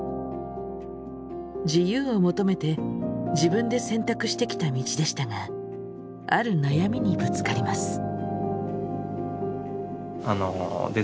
自由を求めて自分で選択してきた道でしたがある悩みにぶつかります。